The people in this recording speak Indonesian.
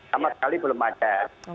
sama sekali belum ada